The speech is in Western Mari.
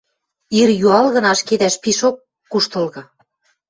Ир юалгын ашкедӓш пишок куштылгы.